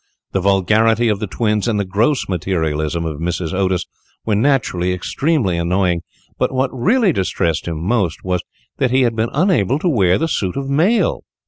The vulgarity of the twins, and the gross materialism of Mrs. Otis, were naturally extremely annoying, but what really distressed him most was that he had been unable to wear the suit of mail.